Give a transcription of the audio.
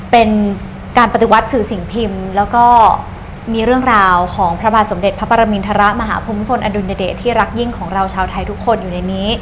เป็นการปฏิวัติสื่อสิ่งพิมพ์แล้วก็มีเรื่องราวของพระบาทสมเด็จพระปรมินทรมาหาภูมิพลอดุลยเดชที่รักยิ่งของเราชาวไทยทุกคนอยู่ในนี้